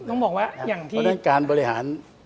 น้องบอกว่าอย่างที่